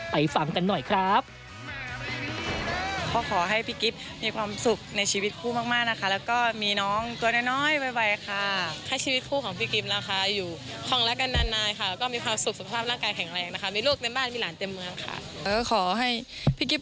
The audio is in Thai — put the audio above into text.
ไปฟังกันหน่อยครับ